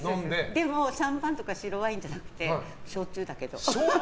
でもシャンパンとか白ワインじゃなくて焼酎だけど。